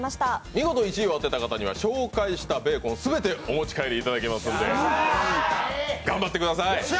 見事１位を当てた方には紹介したベーコン全て持ち帰っていただきますので頑張ってください！